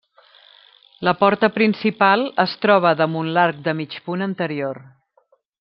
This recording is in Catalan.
La porta principal es troba damunt l'arc de mig punt anterior.